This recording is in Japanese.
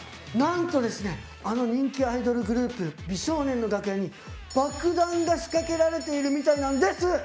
なんとですねあの人気アイドルグループ美少年の楽屋にバクダンが仕掛けられているみたいなんです！